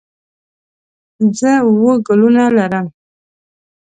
زه اووه ګلونه لرم.